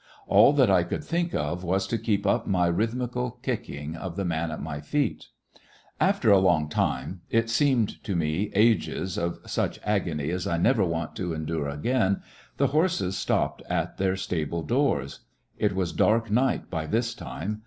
All that I could think of was to keep up my rhythmical kicking of the man at my feet. After a long time, it seemed to me ages, of such agony as I never want to endure again, the horses stopped at their stable doors. It was dark night by this time.